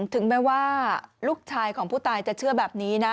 ถึงแม้ว่าลูกชายของผู้ตายจะเชื่อแบบนี้นะ